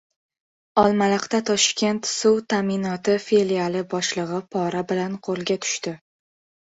Olmaliqda “Toshkent suv ta’minoti” filiali boshlig‘i pora bilan qo‘lga tushdi